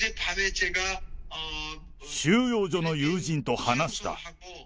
収容所の友人と話した。